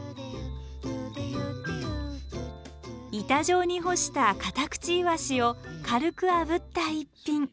板状に干したカタクチイワシを軽くあぶった逸品。